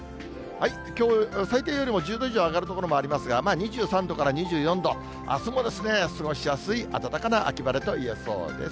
最低よりも１０度以上上がる所もありますが、まあ、２３度から２４度、あすも過ごしやすい、暖かな秋晴れといえそうです。